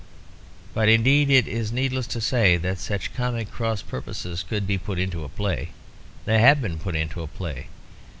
But, indeed, it is needless to say that such comic cross purposes could be put into a play; they have been put into a play.